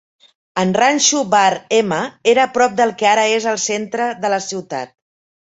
En ranxo Bar M era prop del que ara és el centre de la ciutat.